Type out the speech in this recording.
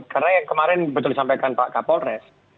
karena yang kemarin betul disampaikan pak kapol resmi